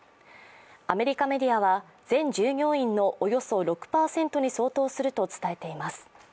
アメリカメディアは全従業員のおよそ６％に相当すると伝えています。